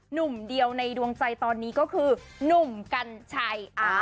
หนุ่มเดียวในดวงใจตอนนี้ก็คือหนุ่มกัญชัย